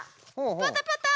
パタパタ！